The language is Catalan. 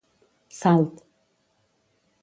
Salt.